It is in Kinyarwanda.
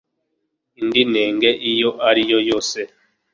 indi nenge iyo ariyo yose